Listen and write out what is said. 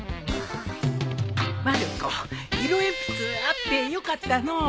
まる子色鉛筆あってよかったのう。